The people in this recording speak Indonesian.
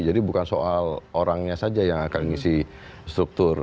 jadi bukan soal orangnya saja yang akan mengisi struktur